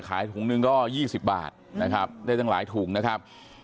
ถุงหนึ่งก็๒๐บาทนะครับได้ตั้งหลายถุงนะครับ